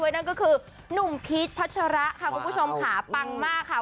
นั่นคือนุ่มพีชเพิศครับทุกผู้ชมค่ะ